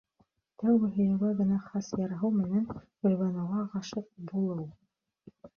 Тәүге һөйөүгә генә хас ярһыу менән Гөлбаныуға ғашиҡ булыу...